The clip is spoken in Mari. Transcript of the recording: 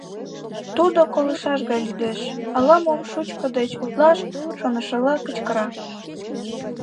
Тудо колышаш гай лӱдеш, ала-мом шучко деч утлаш шонышыла кычкыра.